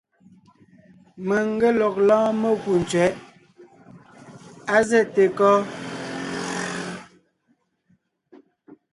Mèŋ n ge lɔg lɔ́ɔn mekú tsẅɛ̌ʼ. Á zɛ́te kɔ́?